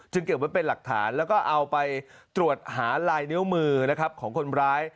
จึงเกี่ยวว่าเป็นหลักฐานและก็เอาไปตรวจหาไลนิ้วมือนะครับของคนร้าย